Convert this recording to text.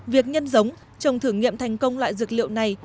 việc nhân giống trồng thử nghiệm thành công loại dược liệu này